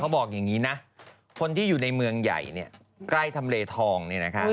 บอกอย่างนี้นะคนที่อยู่ในเมืองใหญ่เนี่ยใกล้ทำเลทองเนี่ยนะคะ